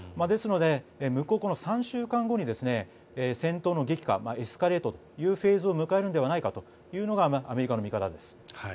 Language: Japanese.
ですので３週間後に戦闘の激化エスカレートというフェーズを迎えるのではないかというのがアメリカの見方です。